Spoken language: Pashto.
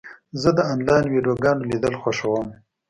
زه د انلاین ویډیوګانو لیدل خوښوم.